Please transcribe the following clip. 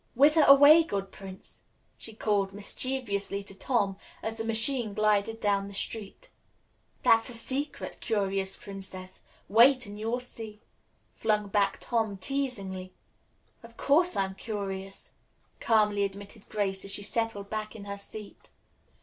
"Whither away, good prince?" she called mischievously to Tom as the machine glided down the street. "That's a secret, curious princess. Wait and you will see," flung back Tom teasingly. "Of course I'm curious," calmly admitted Grace, as she settled back in her seat.